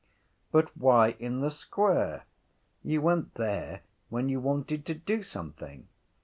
But why in the square? You went there when you wanted to do something.